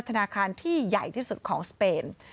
ธนาคารที่ใหญ่ที่สุดของสเปน